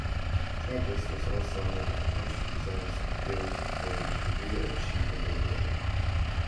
Travis was also honored in the Costume Designers Guild for the Career Achievement Award.